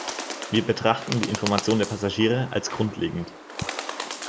Wir betrachten die Information der Passagiere als grundlegend.